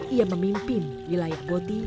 ia memimpin wilayah boti